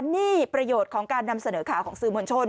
นี่ประโยชน์ของการนำเสนอข่าวของสื่อมวลชน